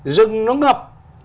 rừng nó ngập